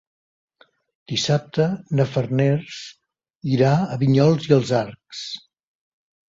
Dissabte na Farners irà a Vinyols i els Arcs.